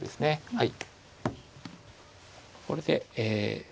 はい。